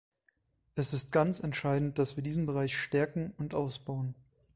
Es ist ganz entscheidend, dass wir diesen Bereich stärken und ausbauen.